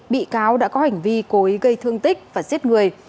bị cáo đã có hành vi cố ý gây thương tích và giết người